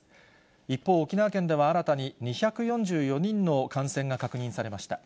一方、沖縄県では新たに２４４人の感染が確認されました。